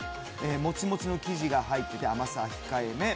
モチモチの生地が入ってて甘さ控えめ。